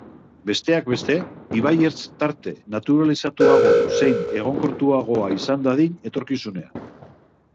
Besteak beste, ibaiertz-tarte naturalizatuago, zein egonkortuagoa izan dadin etorkizunean.